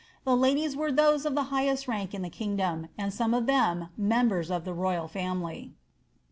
The ladies were those of the highest rank in the kingdom, and some of them members of the royal &mily.